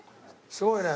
すごいね。